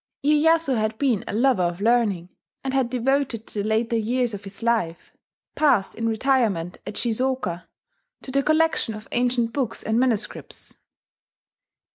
Iyeyasu had been a lover of learning; and had devoted the later years of his life passed in retirement at Shidzuoka to the collection of ancient books and manuscripts.